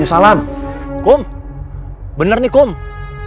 kes customer nya berani kita